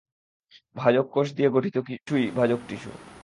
ভাজক কোষ দিয়ে গঠিত টিস্যুই ভাজক টিস্যু।